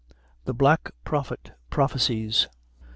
The Black Prophet Prophesies.